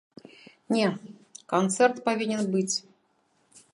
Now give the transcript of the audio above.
Не, канцэрт павінен быць.